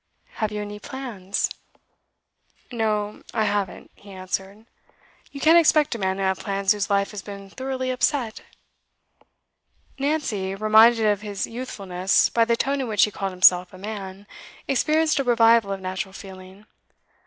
'Have you any plans?' 'No, I haven't,' he answered. 'You can't expect a man to have plans whose life has been thoroughly upset.' Nancy, reminded of his youthfulness by the tone in which he called himself a 'man,' experienced a revival of natural feeling.